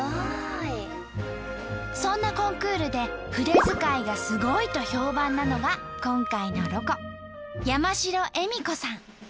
そんなコンクールで筆づかいがすごいと評判なのが今回のロコ山城恵美子さん。